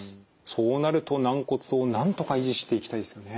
そうなると軟骨をなんとか維持していきたいですよね。